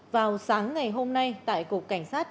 vào sáng ngày hôm nay tại cục cảnh sát